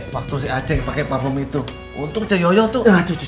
waktu aceh pakai parfum itu untuk coyok itu